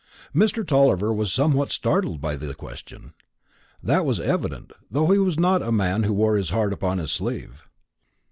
Mr. Tulliver was somewhat startled by the question. That was evident, though he was not a man who wore his heart upon his sleeve.